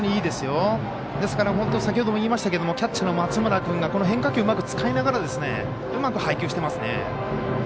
ですから先ほども言いましたけどキャッチャーの松村君が変化球をうまく使いながらうまく配球してますね。